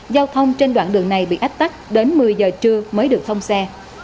giao thông trên đoạn đường này bị ách tắc đến một mươi giờ trưa mới được thông xe